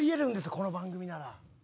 この番組なら。